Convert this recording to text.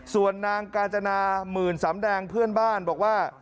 ส่วนนางกาญจนาหมื่นสำแดงเพื่อนบ้านบอกว่า